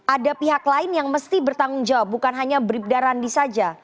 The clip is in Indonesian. ada pihak lain yang mesti bertanggung jawab bukan hanya bribda randi saja